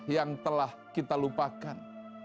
yang telah kita lupakan